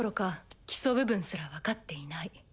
基礎部分すら分かっていない。